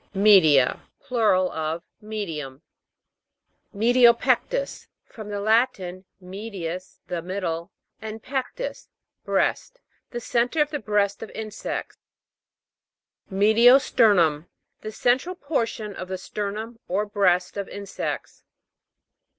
ME'DIA. Plural of Medium. ME'DIO PEC'TUS. From the Latin, medius, the middle, and pectus, breast. The centre of the breast of insects. See p. 15. ME'DIO STER'NUM. The central por tion of the sternum or breast of insects.